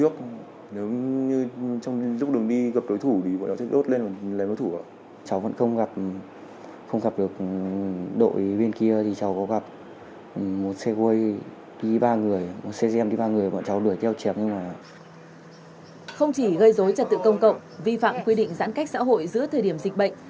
không chỉ gây dối trật tự công cộng vi phạm quy định giãn cách xã hội giữa thời điểm dịch bệnh